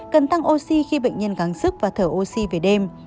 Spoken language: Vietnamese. cần tăng oxy khi bệnh nhân gáng sức và thở oxy về đêm